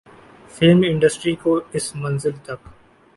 film industry کو اس منزل تک